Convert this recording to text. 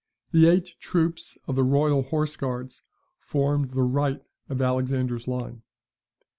The eight troops of the royal horse guards formed the right of Alexander's line.